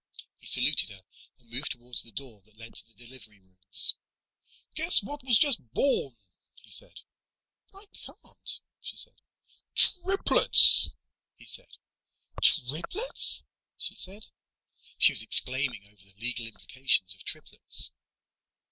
He saluted her and moved toward the door that led to the delivery rooms. "Guess what was just born," he said. "I can't," she said. "Triplets!" he said. "Triplets!" she said. She was exclaiming over the legal implications of triplets.